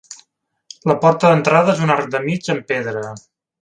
La porta d'entrada és un arc de mig amb pedra.